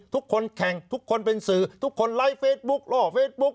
ทุกคนแข่งทุกคนเป็นสื่อทุกคนไลค์เฟซบุ๊กล่อเฟซบุ๊ก